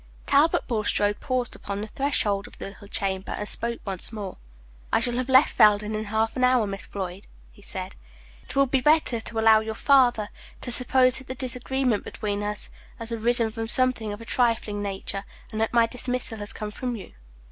Talbot Bulstrode paused upon the threshold of the little chamber, and spoke once more. "I shall have left Felden in half an hour, Miss Floyd," he said; "it will be better to allow your father to suppose that the disagreement between us has arisen from something of a trifling nature, and that my dismissal has come from you.